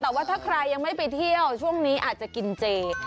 แต่ว่าถ้าใครยังไม่ไปเที่ยวช่วงนี้อาจจะกินเจ